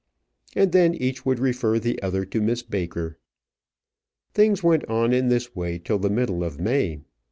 And then each would refer the other to Miss Baker. Things went on in this way till the middle of May.